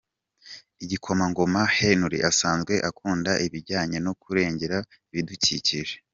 Igikomangoma Henry asanzwe akunda ibijyanye no kurengera ibidukikije.